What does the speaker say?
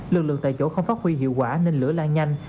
lực lượng tại chỗ không phát huy hiệu quả nên lửa lan nhanh